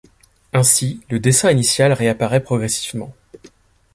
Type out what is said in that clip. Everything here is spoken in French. Ainsi le dessin initial réapparait progressivement.